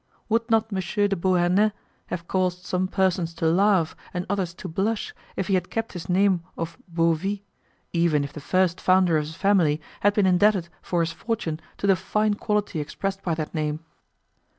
Would not M. de Beauharnais have caused some persons to laugh and others to blush if he had kept his name of Beauvit, even if the first founder of his family had been indebted for his fortune to the fine quality expressed by that name?